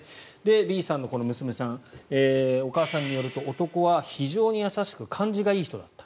Ｂさんの娘さんお母さんによると男は非常に優しく感じがいい人だった。